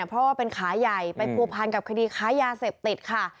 เพราะว่าเป็นขาใหญ่ไปผัวพันกับคดีค้ายาเสพติดค่ะ